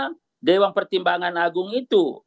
apa namanya dewan pertimbangan agung itu